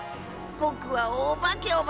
ぼくはおばけオバ。